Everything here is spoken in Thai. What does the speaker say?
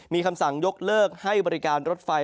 มีคำสั่งยกเลิกให้บริการรถไฟ